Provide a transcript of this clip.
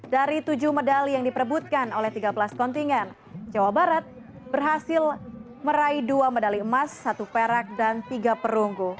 dari tujuh medali yang diperebutkan oleh tiga belas kontingen jawa barat berhasil meraih dua medali emas satu perak dan tiga perunggu